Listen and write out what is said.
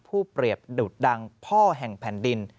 ผู้เปรียบดุดดังพ่อแห่งแผ่นดิน